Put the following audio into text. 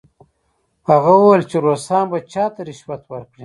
هغه وویل چې روسان به چا ته رشوت ورکړي؟